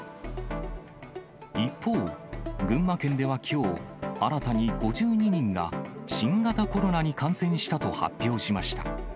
一方、群馬県ではきょう、新たに５２人が新型コロナに感染したと発表しました。